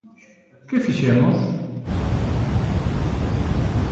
Que fixemos?